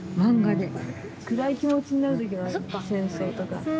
暗い気持ちになる時もある戦争とか。